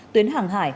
tuyến hàng hải